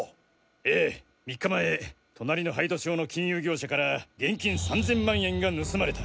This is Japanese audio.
ええ３日前隣の杯戸町の金融業者から現金３０００万円が盗まれた。